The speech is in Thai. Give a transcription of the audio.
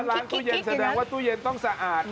ร้านตู้เย็นแสดงว่าตู้เย็นต้องสะอาด